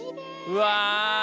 うわ！